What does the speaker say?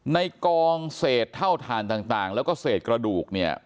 ในกองเศษเท่าฐานต่างแล้วก็เศษกระดูกเนี่ย